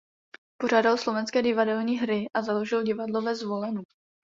Pořádal slovenské divadelní hry a založil divadlo ve Zvolenu.